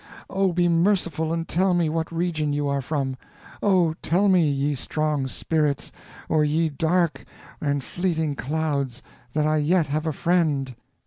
Oh, be merciful and tell me what region you are from. Oh, tell me, ye strong spirits, or ye dark and fleeting clouds, that I yet have a friend."